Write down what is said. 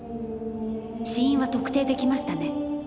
死因は特定できましたね。